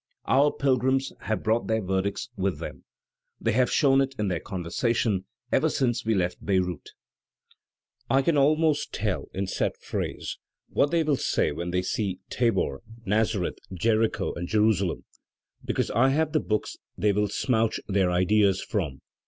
Our pilgrims have brought their verdicts with them. They have shown it in their conversation ever since we left Beirout. I can al most tell, in set phrase, what they will say when they see Tabor, Nazareth, Jericho, and Jerusalem — because I ha/ve the books they tmU 'smotich' their ideas from.